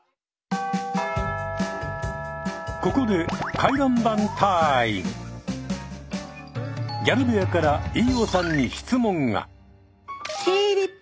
ここでギャル部屋から飯尾さんに質問が。